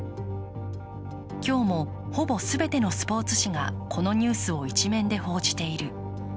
今日も、ほぼ全てのスポーツ紙がこのニュースを一面で報じている。